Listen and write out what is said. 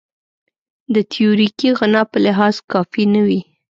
د تیوریکي غنا په لحاظ کافي نه وي.